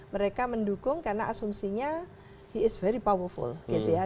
mereka mendukung karena asumsinya his very powerful gitu ya